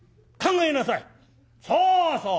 そうそう！